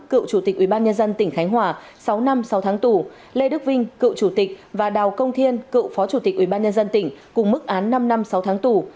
cựu chủ tịch và đào công thiên cựu phó chủ tịch ủy ban nhân dân tỉnh cùng mức án năm năm sáu tháng tù